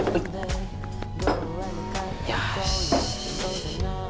よし。